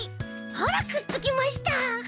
ほらくっつきました！